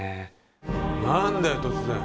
何だよ突然。